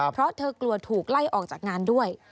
เพราะเธอกลัวถูกไล่ออกจากงานด้วย